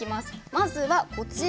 まずはこちら。